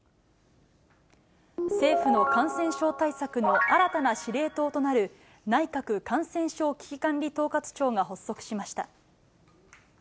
政府の感染症対策の新たな司令塔となる、内閣感染症危機管理統括庁が発足しました。